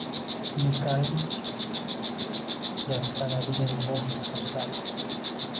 Unikallik yastanadigan bosh asoslar bor.